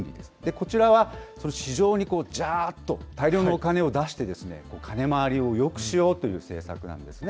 こちらは、市場にじゃーっと大量のお金を出して、金回りをよくしようという政策なんですね。